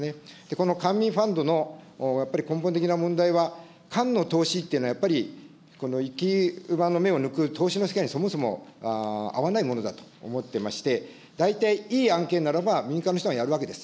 この官民ファンドのやっぱり根本的な問題は、官の投資というのは、やっぱり生き馬の目を抜く投資の世界にそもそも合わないものだと思ってまして、大体いい案件ならば民間の人がやるわけです。